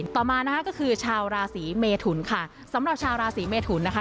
ต่อมานะคะก็คือชาวราศีเมทุนค่ะสำหรับชาวราศีเมทุนนะคะ